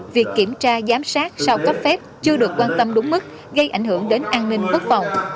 việc kiểm tra giám sát sau cấp phép chưa được quan tâm đúng mức gây ảnh hưởng đến an ninh quốc phòng